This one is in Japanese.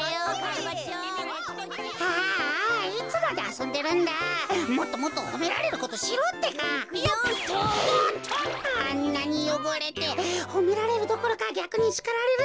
あんなによごれてほめられるどころかぎゃくにしかられるんじゃないか？